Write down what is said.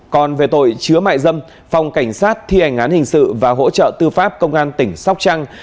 còn về tội chứa mại dâm phòng cảnh sát thi hành án hình sự và hỗ trợ tư pháp công an tỉnh sóc trăng